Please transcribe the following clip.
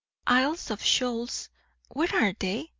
"Isles of Shoals. Where are they?